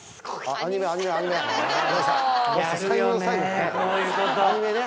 アニメね。